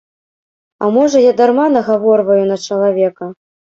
А можа, я дарма нагаворваю на чалавека.